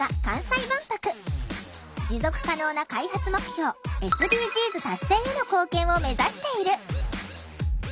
持続可能な開発目標ＳＤＧｓ達成への貢献を目指している。